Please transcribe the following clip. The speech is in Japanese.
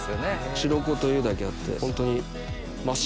白子というだけあってホントに真っ白。